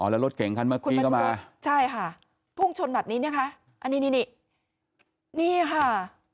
แล้วรถเก่งคันเมื่อกี้ก็มาใช่ค่ะพุ่งชนแบบนี้นะคะอันนี้นี่นี่ค่ะ